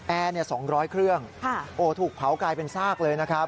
แอร์๒๐๐เครื่องโอ้ถูกเผากลายเป็นซากเลย